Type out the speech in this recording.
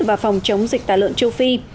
và phòng chống dịch tả lợn châu phi